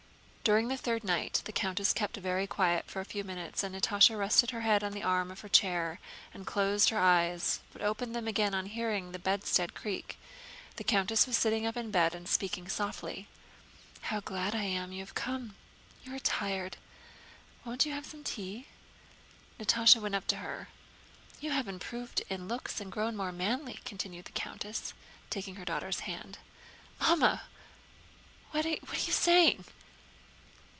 During the third night the countess kept very quiet for a few minutes, and Natásha rested her head on the arm of her chair and closed her eyes, but opened them again on hearing the bedstead creak. The countess was sitting up in bed and speaking softly. "How glad I am you have come. You are tired. Won't you have some tea?" Natásha went up to her. "You have improved in looks and grown more manly," continued the countess, taking her daughter's hand. "Mamma! What are you saying..."